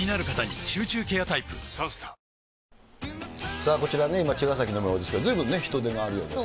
さあこちらね、今、茅ヶ崎の映像ですけれども、ずいぶんね、人出があるようです